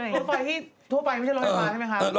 รถไฟที่ทั่วไปไม่ใช่รถไฟฟ้าใช่ไหมครับ